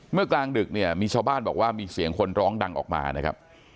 กลางดึกเนี่ยมีชาวบ้านบอกว่ามีเสียงคนร้องดังออกมานะครับ